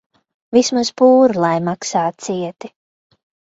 Vismaz pūru lai maksā cieti.